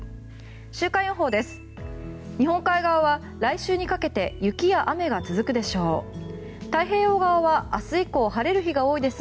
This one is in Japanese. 週間予報です。